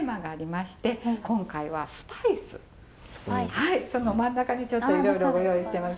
はいその真ん中にちょっといろいろご用意してます。